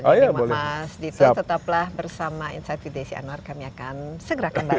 jadi mas dito tetaplah bersama insight with desi anwar kami akan segera kembali